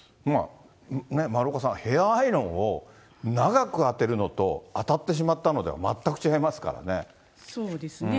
丸岡さん、ヘアアイロンを長く当てるのと、当たってしまったのでは全く違いそうですね。